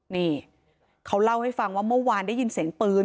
นี่เขาเล่าให้ฟังว่าเมื่อวานได้ยินเสียงปืน